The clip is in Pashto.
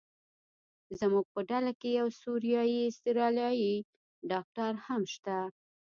زموږ په ډله کې یو سوریایي استرالیایي ډاکټر هم شته.